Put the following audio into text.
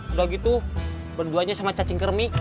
udah gitu berduanya sama cacing kermik